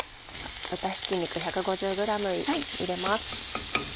豚ひき肉１５０ｇ入れます。